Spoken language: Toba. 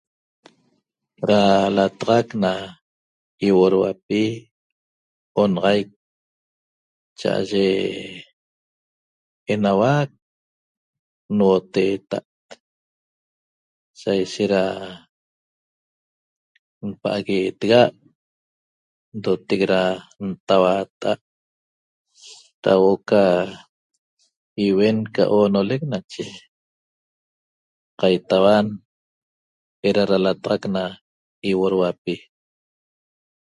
Da lataxac na ýiuoduapi onaxaic cha'aye enauac nuoteeta't sa ishet da npa'aguetexa't ndotec da ntauatta'a't da huo'o ca iuen ca oonolec nache qaitauan eda da lataxac na ýioduoduapi